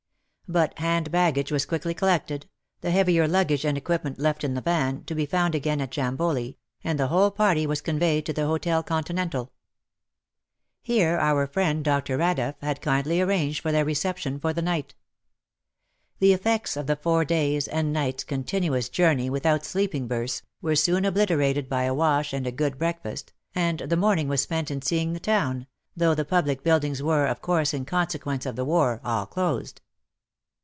But hand baggage was quickly collected, the heavier luggage and equipment left in the van, to be found again at Jamboli, and the whole party were conveyed to the Hotel Continental. Here our friend 6a WAR AND WOMEN 63 Dr. Radeff had kindly arranged for their re ception for the night. The effects of the four days' and nights' continuous journey without sleeping berths, were soon obliterated by a wash and a good breakfast, and the morning was spent in seeing the town, though the public buildings were, of course, in consequence of the war, all closed.